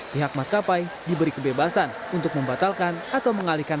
pihak maskapai diberi kebebasan untuk membatalkan atau mengalihkan